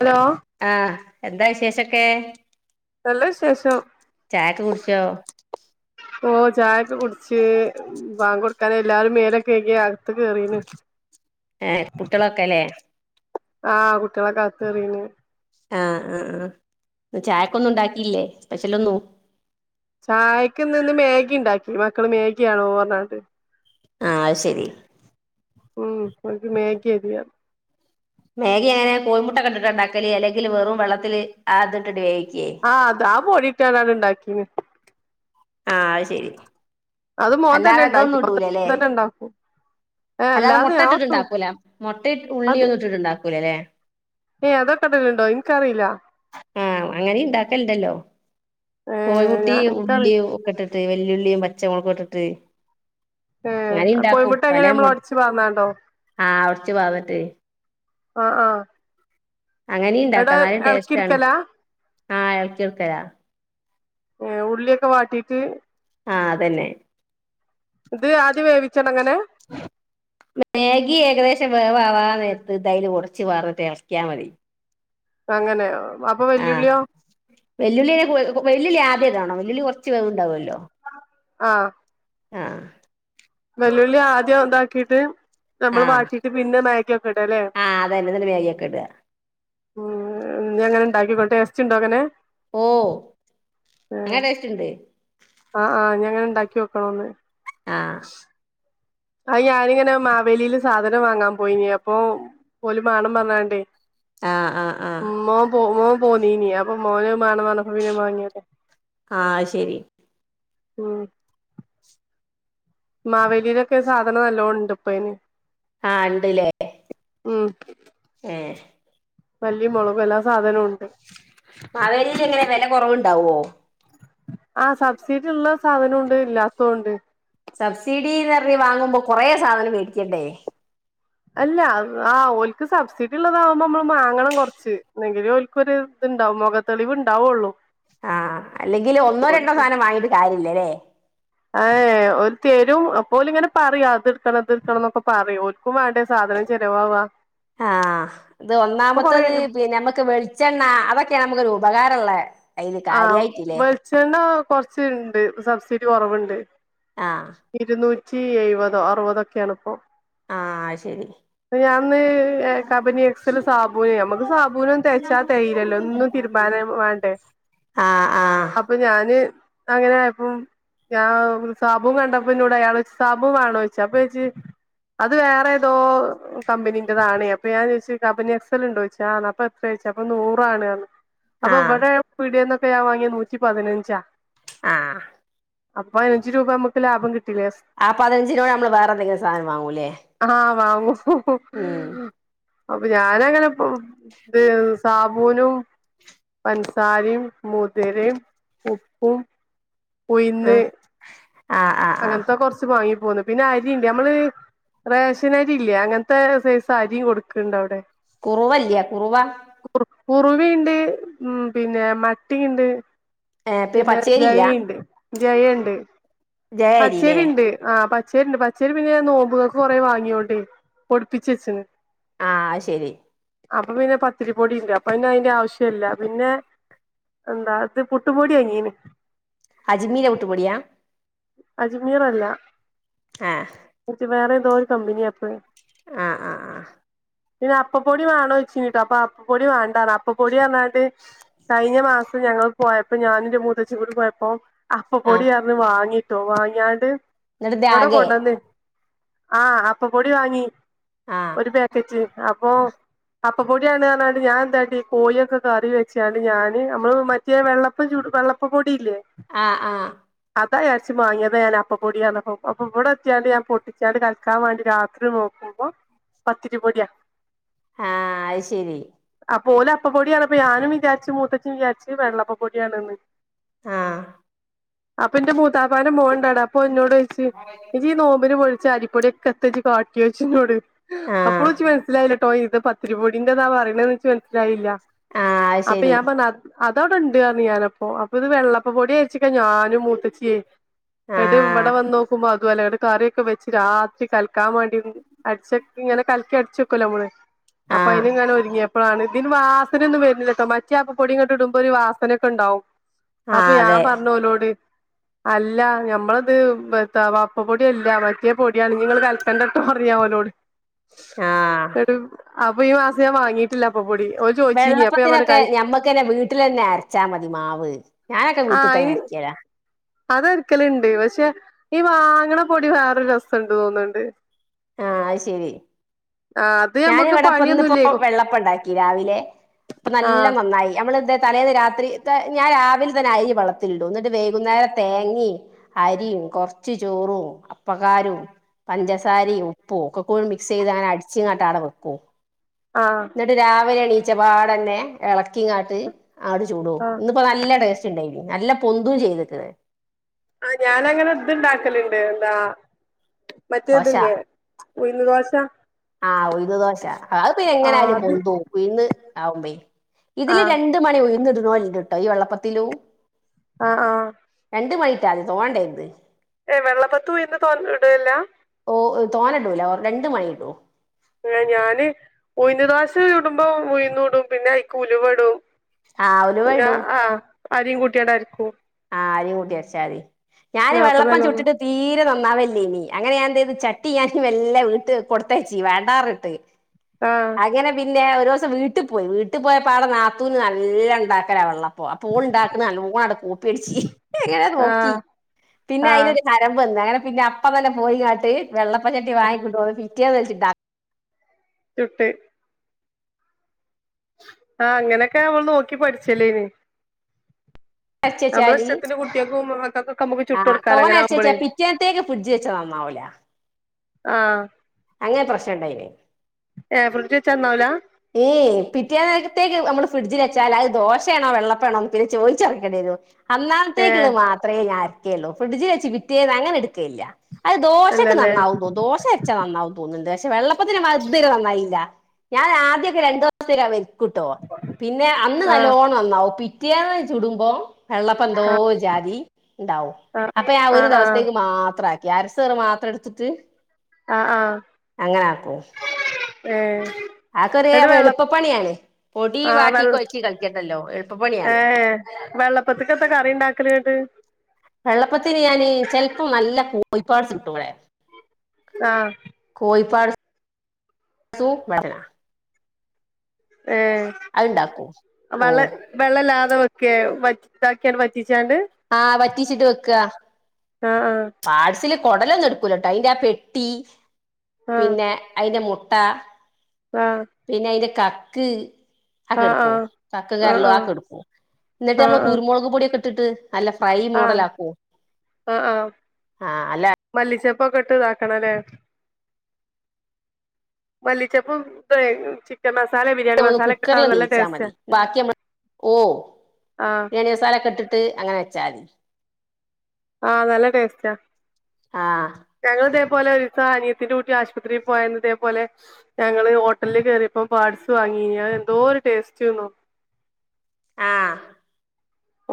Hello ആ എന്താ വിശേഷ ക്കെ നല്ല വിശേഷം ചായക്കെകുടിച്ചോ ഓ ചായൊക്കെ കുടിച്ച് ബാങ്ക് കൊടുക്കാനായി എല്ലാരും മേലൊക്കെ കയുകിഅകത്ത്ക്ക് കേറീണ് ഏ കുട്ടിളൊക്കെല്ലേ ആ കുട്ടിളെ ക്കെ അകത്ത് കേറീണ് ആ ആ ആ ചായക്കൊന്നും ഉണ്ടാക്കിയില്ലേ സ്പെഷ്യലൊന്നു ചായക്ക്ന്ന് ന്ന് മേഗി ഉണ്ടാക്കി മക്കള് മേഗിയാണോ റഞ്ഞാണ്ട് ആ അശരി ഉം ഓൽക്ക് മേഗി യതി മേഗി അങ്ങനെ കോഴിമുട്ട ഒ ക്കെ ട്ട്ണ്ടാണ്ടാക്കല് അല്ലെങ്കിൽ വെറും വെള്ളത്തിൽ അത് ഇട്ട്ടേ ആ അത് ആ പൊടി ട്ടാണ്ട് ണ്ടാക്കീണ് ആ അശരി മോൻ തന്നെ അല്ലാതെ ഉണ്ടാക്കി തെന്നും മോൻ ഇടൂല ല്ലേ തന്നെ ഉണ്ടാക്കും ഏഹ് അല്ലാതെ മുട്ട ഞാൻ ഇട്ടിട്ട് ഒന്നും ന്നുംണ്ടാക്കൂല മുട്ട ഉള്ളിന്നും ഇട്ടിട്ട്ണ്ടാക്കൂല ല്ലേ ഏയ് അതൊക്കെടലുണ്ടോ എനിക്കറിയില്ല ആ അങ്ങനെ ഇണ്ടാക്കലണ്ടല്ലോ ഏഹ് കോഴിമുട്ടി ഞാൻ എനിക്കറി ഉള്ളി ഒക്കെ ഇട്ട് വെല്ലുളിയും പച്ചക്ക ഇട്ടിട്ട് ഏ അങ്ങനെ ഇണ്ടാക്കും കോയിമുട്ട എങ്ങനെ പല മൊ നമ്മള് ഒടച്ച് വർന്നാതോ ആഹ് ഒടിച്ചു പാർന്നിട്ട് ആ ആ അങ്ങനെയ ഇണ്ടാക്കാം എന്നാലും ടേസ്റ്റ് ആണ് എടുക്കലാ ആ കേൾക്കരാ ഏ ഉള്ളിയൊക്കെ വാട്ടീട്ട് ആ അതന്നെ ഇത് ആദ്യ വേവിച്ചട അങ്ങനെ മാഗി ഏകദേശം വേവാവാ നേരത്ത് ഇതതിൽ ഉടച്ച് വർട്ട് എളക്കിയാമതി അങ്ങനെയ ആഹ് വെല്ലുള്ള്യ [unintelligible] നെ വെല്ലുള്ളി ആദ്യടണോ വെലുള്ളി കൊറ്ച്ച് വേവ്ണ്ടാവൊല്ലോ ആഹ് ആഹ് വെല്ലുള്ളി ആദ്യം ഇതാക്കിട്ട് നമ്മൾ ആഹ് വാട്ടീട്ട് പിന്നെ മേ ഖ്യക്കെടലെ ആഹ് അതന്നെ എന്നിട്ട് മാഗിയൊക്കെ ഇടുക ഉ [unintelligible] ന ജങ്ങനെ ഉണ്ടാക്കിക്കോ ട്ടേസ്റ്റ്ഉണ്ടോ അങ്ങനെ ഓ ആഹ് അങ്ങനെ ടേസ്റ്റ് ഉണ്ട് ആഹ് ആഹ് ഞ ഞാ ഉണ്ടാക്ക്യോക്കണോന്ന് ആഹ് ആഹ ഞാനിങ്ങനെ മാവേലീല് സാധനം വാങ്ങാൻ പോയിനി അപ്പൊ ഓല് മാണം പറഞ്ഞാണ്ടേ ആഹ് ആഹ് ആഹ് ഉമ്മൊ പോ [unintelligible] ൻ പോന്നീനി അപ്പൊ മോനഹ്മാണം പറ്ഞ്ഞപ്പം പിന്നെ വാങ്ങിയ ആഹ് ശരി ഉം മാവേലിയിലൊക്കെ സാധനം നല്ലോം ഉണ്ട് ഇപ്പ അയ്ന് ആഹ് ഇണ്ട്ല്ലേ ഏഹ് മല്ലി മൊളകും എല്ലാ സാധനുഉ മാവേലിയിലങ്ങനെ വെല കൊറവുണ്ടാവോ സാധനു ഉണ്ട് ഇല്ലാത്തൊണ്ട് സബ്സിഡിന്ന്റ ഞ് വാങ്ങുമ്പോ കൊറെ സാധനം മേടിക്കണ്ടെ അല്ല ആ ഓല്ക്ക് സബ്സിഡി ഉള്ളതാാവുമ്പോ നമ്മള് മാങ്ങണം കൊറച്ച് എങ്കിലേ ഓല്കൊര്ഇത്ണ്ട മൊഖ തെളിവ് ഇണ്ടാവുള്ളു ആഹ് അല്ലെങ്കിൽ ഒന്നോ രണ്ടോ സാനം വാങ്ങിട്ട് കാര്യ ല്ല ലെ അ ഏഹ് ഒരു തരും അപ്പോലിങ്ങനെ പറിം അത്ട്ക്കണം ഇത്ട്ക്കണം ന്നൊക്കെ പറിം ഓൽക്കും വേണ്ടേ സാധനം ചെലവാവാ ആഹ് ഇത് ഇപ്പൊ കൊറേ ഒന്നാമത്തേത് പിന്നമ്മക്ക് വെളിച്ചെണ്ണ അതൊക്കെയ നമുക്ക് രൂ ഉപകാറള്ളേ ആഹ് വെളിച്ചെണ്ണ കൊറ്ച്ണ്ട് സബ്സിഡി കൊറവ്ണ്ട് ആഹ് നൂറ്റി എഴുപതോ അറുപതൊക്കെണ്പ്പോ ആഹ് അത് ശരി ഞാന്ന് കബനി എക്സൽ സാബൂന് നമ്മുക്ക് സാബൂനൊന്നും തെയ്ച്ചാതേയ്യിലല്ലോ എന്നും തിരുമ്പാൻ വാണ്ടെ ആഹ് ആഹ് അപ്പോ ഞാൻ അങ്ങനായപ്പം ഞാൻ സാബൂൻ കണ്ടപ്പന്നോട് അയാൾ സാബുൻ വാണോയിച് അപ്പോയ്ച്ചി അത് വേറെ ഏതോ കമ്പനീന്റെതാണ് അപ്പോ ഞാൻ ചോയിച് കബനി എക്സൽ ഇണ്ടോച്ച് ആ റ്ഞ്ഞി എത്ര യ്ച്ച് അപ്പോ നൂറാണ് പറഞ്ഞി അപ്പോ ആഹ് വടെ ടിയെന്ന് ഒക്കെ ഞാൻ വാങ്ങിയെ നൂറ്റി പതിനഞ്ചാ ആ അപ്പോ അഞ്ച് രൂപ മ്മക്ക് ലാഭം കിട്ടും. ആ പതിനഞ്ചിനോട് നമ്മള് വേറെ എന്തെങ്കിലും സാധനം വാങ്ങൂല്ലേ. ആഹ് വാങ്ങും മ്മ്ഹും ഉം അപ്പോ ഞാനങ്ങനെ ഇ സാബൂനും പഞ്ച സാരിം മുതിരേം ഉപ്പും ഉയിന്ന് ആഹ് ആഹ് ആഹ് ആഹ് അങ്ങനത്തെ കൊറച്ച് വാങ്ങി പിന്നെ അരിണ്ട് നമ്മള് റേഷൻ അരി ഇല്ലേ അങ്ങനത്തെ സൈസ് അരിയും കൊടുക്ക്ണ്ട് അവിടെ. കുറുവല്യാ കുറുവാ കുറവിണ്ട് ഉം പിന്നെ മത്തിണ്ട് ഏ പി പച്ചേരില്ല. ജയണ്ട്. പച്ചേരിണ്ട്, ആ പ പച്ചേരിണ്ട് പച്ചേരി പിന്നെ നോമ്പുങ്ങക്ക് കൊറെ വാങ്ങിയോണ്ടേ പൊടിപ്പിച്ചെച്ണ്. ആ ശരി. അപ്പോ പിന്നെ പത്തിരി പൊടിണ്ട് അപ്പോന്നെ അയിന്റെ ആവശ്യ ല്ല പിന്നെ എന്താ ഇത് പുട്ടുപൊടി വാങ്ങീണ് അജ്മീൻ്റെ പുട്ട്പൊടിയ അജ്മീറല്ല. ആഹ് വേറെ രു കമ്പനിപ്പദ് ആ ആ ആ പിന്നെ അപ്പപ്പൊടി വേണോ ചോയ്ചീനിട്ടോ അപ്പൊ അപ്പപ്പൊടി വേണ്ട അപ്പപ്പൊടി പറഞ്ഞാട്ട് കഴിഞ്ഞ മാസം ഞങ്ങൾ പോയപ്പോ ഞാനുംൻ്റെ മൂത്തച്ചിം കൂടി പോയപ്പോ, അപ്പപൊടിയർഞ്ഞി വാങ്ങി വാങ്യാല് ഇട ഭ്യാഗ ആഹ് അപ്പൊ പൊടി വാങ്ങി. ആഹ് ഒരു പാക്കറ്റ് അപ്പൊ അപ്പപ്പൊടിയാണ് കാരഞ്ഞാണ്ട് ഞാൻ എന്താടച്ച ഈ കോഴൊക്കെ കറി വെച്ചാല് ഞാന് നമ്മള് മറ്റേ വെള്ളപ്പം ച വെള്ളപ്പപ്പൊടി ഇല്ലേ ആഹ ആഹ പത വച്ച് വാങ്ങിയത് ഞാൻ അപ്പ പൊടിയന്ന പോ അപ്പൊ ഇവിടെ എത്തിയാണ്ട് ഞാൻ പൊട്ടിച്ചാണ്ട് കളിക്കാൻ വേണ്ടി രാത്രി നോക്കുമ്പോ പത്തിരി പൊടിയാ. ആഹ അത് ശരി. പോലെ അപ്പ പൊടിയാണ് അപ്പ ഞാനും വിചാരിച്ചു മൂത്തച്ചും വിചാരിച്ചു വെള്ളപ്പപ്പൊടിയണന്ന് ആഹ് അപ്പ എന്റെ മു ത്താപ്പാന്റെ മോൻ ണ്ട് ആടെ അപ്പൊ എന്നോട് ചോയ്ച്ച് ഇജ്ജ് ഈ നോമ്പിന് വു ട്ച്ച അരിപൊടിയൊക്കെ എത്ത ജ്ജ് കാട്ടി ഒയ്ച്ചു ന്നോട് അപ്പളും ഇച്ച് ആഹ് മനസ്സ്ലായില്ല പ്പോ ഇത് പത്തിരിപ്പൊടിന്റത പറി ണത് ച്ച് മൻ സ്സ്ലായില്ല ആഹ് അത് അപ്പൊ ശരി ഞാൻ പറഞ്ഞ അത അവിടെ ഇണ്ട് ർഞ്ഞ് ഞാന അപ്പൊ അപ്പൊ ഇത് വെള്ളപ്പ പൊടി അയച്ചക്ക ഞാനും മൂത്തച്ചിയെ എട്ട് ആഹ് ഇവിടെ വന്ന് നോക്കുമ്പോ അതു അല്ല. ങ്ങട്ട് കറിയൊക്കെ വെച്ച് രാത്രി കൽ ക്കാൻ വേണ്ടി അടിച്ച ഇങ്ങനെ കലിക്കി അടിച്ച വെക്കല്ലോ നമ്മള് അപ്പൊ ആഹ് അതിന് ഇങ്ങനെ ഒരുങ്ങിയ ഇപ്പോഴാണ് ഇതിന് വാസന ഒന്നും വരുന്നില്ലട്ടോ മറ്റേ അപ്പ പൊടി ങ്ങട്ട് ഇടുമ്പോ ഒരു വസനൊക്കെ ഉണ്ടാവും അപ്പൊ ആഹ് ഞാൻ അതെ പറഞ്ഞോലോട് അല്ല ഞമ്മളത് അപ്പ പൊടി അല്ല മറ്റേ പൊടിയാണ് നിങ്ങള് കൽക്കണ്ടട്ടോ ർഞ്ഞ് ഓലോട് ആ ന്നട്ട് അപ്പൊ ഈ മാസം ഞാ വാങ്ങിട്ടില്ല അപ്പപ്പൊടി ഓല് ചോദിച്ചീനി അപ്പൊ ഞാൻ പറഞ്ഞ് വെള്ളപ്പത്തിനൊക്കെ കായ് ഞമ്മക്ക്ന്നെ വീട്ടിൽ തന്നെ അരച്ചാ മതി മാവ് ഞാനൊക്കെ വീട്ടിൽ തന്നെ അരക്കടാ അതരക്കൽ ഇണ്ട് പക്ഷെ ഈ വാങ്ങണ പൊടി വേറൊരു രസംണ്ട് തോന്നണ്ട് ആഹ ശരി അത് ഞാന ഞമ്മക്ക് ഇവിടെപ്പന്നപ്പോ പണിയൊന്നുല്ലേ വെള്ളപ്പ ഉണ്ടാക്കി രാവിലെ അപ്പൊ ആ നല്ല നന്നായി നമ്മൾ ഇ തലേന്ന് രാത്രി ഞാൻ രാവില തന്നെ അരി വളത്തിലിടും എന്നിട്ട് വൈകുന്നേരം തേങ്ങിം അരിം കൊർച് ചോറും അപ്പക്കാരും പഞ്ചസാരിം ആ ഉപ്പും ഒക്കെക്കൂടി മിക്സ് ചെയ്ത് അങ്ങെ അടിച്ച് ങ്ങട്ട ആ വെക്കും ആ ന്നിട്ട് രാവിലെ എണീ റ്റപാടന്നേ ഇളക്കിങ്ങാട്ട് അങ്ങട്ട് ചൂടും. ആ ഇന്ന് പ്പോ നല്ല ടേസ് ണ്ടായിനി നല്ല പൊന്തും ചെയ്തക്ക്‌ണ് ആഹ ഞാനങ്ങനെ ഇതു ഇണ്ടാക്കലിണ്ട് ന്താ ദോശ ദോശ ആ ഉഴുന്ന് ദോശ അത് പിന്നെ ആ എങ്ങനെ ആലും അത് പൊന്തും ഉഴുന്ന് ആവുമ്പോ ഇതില് ആഹ് രണ്ട് മണി ഉയ്ന്നിടും തോലിട്ടോ ഈ വെള്ളപ്പത്തിലൂ ആഹ ആഹ ട്ടാതി തോനടരുത് ഏ വെള്ളപ്പൊത്ത് ഉഴുന്ന് തോന്ന ഇടല്ല ഓ തോന്നടൂല രണ്ട് മണി ഇടും ഏ ഞാന് ഉയുന്ന് ദേശചൂടു മ്പോൾ ഉയുന്നിടും പിന്നെ അയ്ക്ക് ഉലുവയിടും ആ ഉലുവയിടും അരിയുംകൂട്ടിയടരക്കും ആ അരി കൂട്ടി അരച്ച മതി ഞാന് ആ അപ്പൊ വെളളപ്പം നല്ലോണം ചുട്ടിട്ട് തീരെ ന ന്നാവില്ലായിന് അങ്ങനെഞാൻ എന്തെയ്തു ചാട്ടിയാൻ മെല്ലെടുത്തു കെടുത്തയച്ച് വേണ്ടാർ ഞ്ഞ്ട്ട് പറഞ്ഞിട്ട്. ആഹ് അങ്ങനെ പിൻ ന്നെ ഒരുസം വീട്ടി പോയി വീട്ടി പോയപ്പം ഞങ്ങ നാത്തൂൻ നല്ലാണ്ടാക്കല വെള്ള പ്പം പ്പൊം ഓ ള് ണ്ടാക്കണ നല്ലോണം കൂ [unintelligible] നോക്കി ആഹ് പിന്നെ ആഹ് ആയിന് ഹരപോ [unintelligible] വെള്ളപ്പ ചട്ടി വാങ്ങി കൊണ്ട് [unintelligible] കിട്ടിയാല് വെച്ച്ട്ട ത്തുട്ട് ആ അങ്ങനെക്ക ഞമ്മള് നോക്കി പഠിച്ച്ലീന് അരച്ച് വെച്ചാല് കുട്ടികൾക്കും മക്കൾക്കൊക്കെ നമുക്ക് ആ ചുട്ട് കൊടുക്കാലോ അങ്ങനെ തോനഅരച്ച് ആവുമ്പളേ വെച്ചാല് പിറ്റേന്നത്തേക്ക് ഫ്രിഡ്ജ് വെച്ചാ നന്നാവൂല ആഹ അങ്ങന പ്രശ്നണ്ടയിന് ആ ഫ്രിഡ്ജ് വെച്ച നന്നാവൂല ഏയ് പിറ്റേനേരത്തേക്ക് നമ്മള് ഫ്രിഡ്ജി വെച്ചാല് അത് ദോശയാണോ വെള്ളപ്പയാണ് പിന്നെ ചോയിച്ച് അറിയേണ്ടേനു ഏ അന്നനേരത്തേക്ക്ളള മാത്ര ഞ അരയ് ഫ്രിഡ്ജിൽ വെച്ച്കിട്ടി [unintelligible] ത്തില്ല അത് ദോശയ്ക്ക് അല്ലല്ലേ നന്നാവുതോന്നു ദോശ വെച്ച നന്നാവും തോന്നുണ്ട് പക്ഷെ വെള്ളപ്പത്തിന് [unintelligible] നന്നാവില്ലാ ഞാൻ ആ ത്രി [unintelligible] [unintelligible] പിന്ന അന്ന് ആഹ് നല്ലോണം നന്നാവും പി തിയാനെ ചുടുമ്പം വെള്ളപ്പന്തോ ജാതി ഉണ്ടാവും ആഹ് അപ്പ ആ ഒരു ആഹ് ആഹ് ദെവസത്തേക്ക് മാത്ര [unintelligible] സറ് മാത്ര എട്ത്തിട്ട് ആഹ് ആഹ് അങ്ങന ആക്കൂ ഏ ആ എന്നിട്ട് കറിയാവുമ്പ വെള്ള എളുപ്പപ്പണിയാണ് പൊടി ആഹ് വാട്ടി വെൾ കൊഴച്ചി കളിക്കട്ടല്ലോ എളുപ്പപ്പണിയാണ് ഏഹ് വെള്ളപ്പത്ത്ക്കെത്താ കറി ഇണ്ടാക്കല്ങ്ങട്ട് വെള്ള പ്പത്തിന് ഞാന് ചെൽപ്പം നല്ല കൂ പൊയ്പാസിട്ടൂളേ ആഹ് കോയിപ്പാട്സ് സൂപ്പർ അ ഏ അത്ണ്ടാക്കും ഓ വെള്ള വെള്ളല്ലാ [unintelligible] വറ്റിച്ചാണ്ട് ആ വറ്റിച്ചിട്ട് വെക്ക് ആ ആ ആ കൊടലൊന്നും എടുക്കൂലട്ടാ അയിന്റെ ആ പെട്ടി ആഹ് പിന്നെ അയിന്റെ മൊ മുട്ട ആഹ് പിന്നെ അയിന്റെ കാ ക് ആക്കെടുക്ക്വോ ആഹ് കാക്ക് ആഹ് കർളാക്കെ ആഹ് എടുക്ക്വോ ന്നിട്ട് ആഹ് അമ്മള് ആഹ് കുരുമൊളക് പൊടിയൊക്കെ ഇട്ട്ട്ട് അല്ല ഫ്രൈ ആഹ് ആഹ് ആഹ് മോഡലാക്ക്വോ ആ അല്ല ഇപ്പ കെട്ട് ഇതാക്കണത് മല്ലിച്ചെപ്പും [unintelligible] ചിക്കൻമ [unintelligible] കുക്കറില് വേവിച്ച മതി ബാക്കിമ്മ ഓ ആഹ് ബരിയാണി മസാലക്കെ ഇട്ടിട്ട് അങ്ങനെ ജാതി ആ നല്ല ടേസ്റ്റാ ആ പോലൊരു [unintelligible] അനിയത്തി കൂട്ടി ആശുപത്രി പോയന്നതേ പോലെ ഞങ്ങള് ഹോട്ടലില് കേയറിയപ്പോ പാഡ്സ് വാങ്ങി അത് എന്തോരു ടേസ്റ്റ്ന്നോ ആഹ്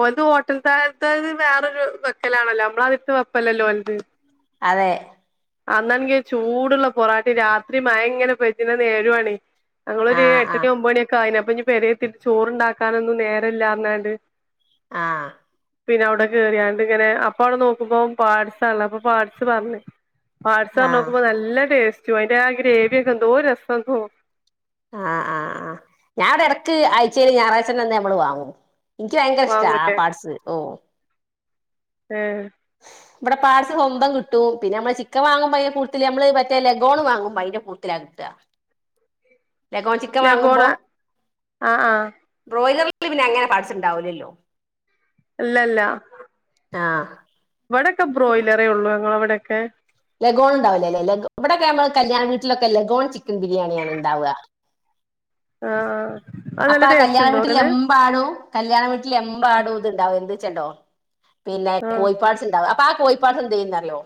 ഓത് ഹോട്ടല്ത്ത [unintelligible] വേറൊരു വെക്കലാണല്ലോ മ്മളതിട്ട് വെപ്പല്ലല്ലോ അൽത് അതെ അന്നാണെങ്കി ചൂടുള്ള പൊറാട്ടേം രാത്രി മഴ ഇങ്ങനെ പെയ്ത്തിന്ന നേരു ആണി അങ്ങളൊരു ആഹ് എട്ടണി ആഹ് ഒമ്പണി ഒക്ക ആയേനാ അപ്പ പേരയിൽ ഇതിരി ചോറണ്ടാക്കാനൊന്നും നേര ഇല്ലാന്നണ്ട് ആഹ പിന്നെ അവിടെ കേയറിയാണ്ട് ഇങ്ങനെ അപ്പ അവിടെ നോക്കുമ്പോ പാഡ്സ ഉള്ളെ അപ്പൊ പാഡ്സ് പറഞ്ഞു പാഡ്സ് പറഞ്ഞു ആഹ് നോക്കുമ്പോ നല്ല ടേസ്റ്റ് ശോ അതിന്റെ ഗ്രേവിയൊക്കെ എന്തൊരു രസവക്കു ആ ആആ ഞാൻ ഇവിടെ ഇടക്ക് ആഴ്ചയില് ഞായറാഴ്ച അന്ന് നമ്മള് വാങ്ങും എനിക്ക് ഭയങ്കര ഇഷ്ട്ടാ ആ പാഡ്സ് ഓ ഉം ഇവിടെ പാഡ്സ് സ്വന്തം കിട്ടും പിന്നെ നമ്മള് ചിക്കൻ വാങ്ങുമ്പൾ അയിന്റെ കൂടുതൽ നമ്മള് മറ്റേ ലഗോൺ വാങ്ങുമ്പോൾ അയിന്റെ കൂടുത്തലാ കിട്ടാ ലേഗോൺ ചിക്കൻ ലഗോണ വാങ്ങുമ്പോ ആഹ് ആഹ് ബ്രോയിലർ പിന്നെ അങ്ങനെ പാഡ്സ് ഉണ്ടാവില്ലല്ലോ ഇല്ലല്ല ആ ഇവിടെക്കെ ബ്രോയ്ലരെ ഒള്ളൂ ഞങ്ങളെവടെ ക്കെ ലഗോൺണ്ടാവില്ലലെ ലഗ് ഇവിടെക്കെ നമ്മൾ കല്യാണ വീട്ടിലൊക്കെ ലഗോൺ ചിക്കൻ ബിരിയാണിയാണ് ണ്ടാവ ആ ആ അപ്പ ആ കല്യാണം വീട്ടില് എമ്പാടും കല്യാണം വീട്ട് എമ്പാടും ഇത്ണ്ടാവും എന്ത് ച്ച്ണ്ടോ പിന്നെ ആഹ് കോഴിപ്പാട്സ്ണ്ടാവും അപ്പ ആ കോഴി പാഡ്സ് എന്തെയ്യുംന്ന് അറിയോ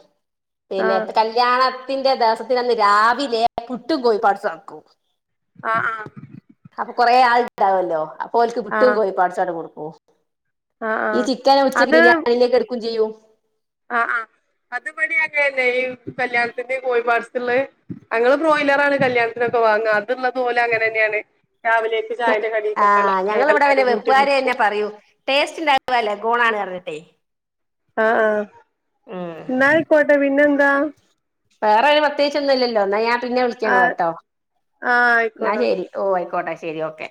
പിന്നെ ആഹ് കല്യാണ ണത്തിന്റെ ദെവസത്തിന്റെ അന്ന് രാവിലെ പുട്ടും കോഴി പാട്സും ആക്കും ആ ആ കൊറേ ആൾണ്ടാവല്ലോ അ ഓൽക്ക് പുട്ടും കോയിപാട്സും ആണ്ട് കൊടു ഓഫ് ആഹ് ഈ ആഹ് ചിക്കൻ ഉച്ചന്റെ ബിരിയാണിയിലേക്ക് എടുക്കും ചെയ്യും ആ ആ അത് ഇവെടിം അങ്ങനെന്നേയ് കല്യാണത്തിന്റെ കോഴിപാട്‌സ്ള്ളെ ഞങ്ങള് ബ്രോയിലറാണ് കല്യാണത്തിനൊക്കെ വാങ്ങ അതുള്ളത് ഓല് അങ്ങനെന്നേണ് ആ ഞങ്ങൾ ഇവിടെ പിന്നെ എല്ലാരും കൂട്ടി വെപ്പുകാര് തന്നെ മുറിച്ചും പറയൂ ടേസ്റ്റ് ഉണ്ടാവ ലഗോണാണ് അറ്ഞ്ഞിട്ടേ ആ ആ ഉം പിന്നെന്താ വേറൊരു പ്രത്യേകിച്ചാെന്നും ഇല്ലല്ലോ ന്നാ ഞാൻ പിന്നെ ആഹ് വിളിക്കങ്ങളെട്ടോ ആഹ് ന്നാ ആയിക്കോട്ടെ ശെരി ഓ അയ്ക്കോട്ടെ ശെരി ഓക്കെ